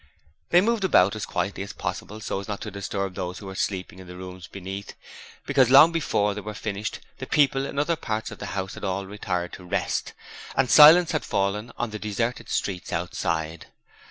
They moved about as quietly as possible so as not to disturb those who were sleeping in the rooms beneath, because long before they were finished the people in the other parts of the house had all retired to rest, and silence had fallen on the deserted streets outside.